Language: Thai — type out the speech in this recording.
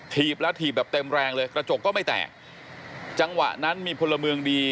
ถีบแล้วถีบแบบเต็มแรงเลยกระจกก็ไม่แตกจังหวะนั้นมีพลเมืองดี